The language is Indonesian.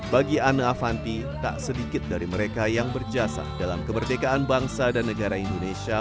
bagi ana avanti tak sedikit dari mereka yang berjasa dalam kemerdekaan bangsa dan negara indonesia